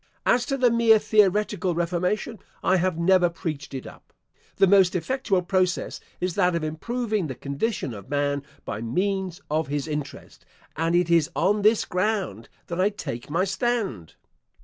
As to the mere theoretical reformation, I have never preached it up. The most effectual process is that of improving the condition of man by means of his interest; and it is on this ground that I take my stand.